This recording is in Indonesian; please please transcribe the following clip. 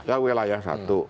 tahu wilayah satu